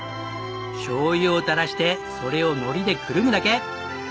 しょうゆを垂らしてそれを海苔でくるむだけ！